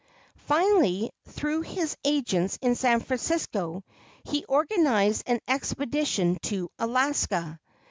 Finally, through his agents in San Francisco, he organized an expedition to Alaska.